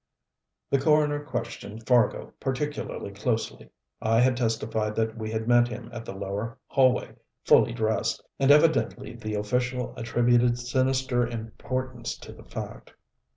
The coroner questioned Fargo particularly closely. I had testified that we had met him, at the lower hallway, fully dressed, and evidently the official attributed sinister importance to the fact.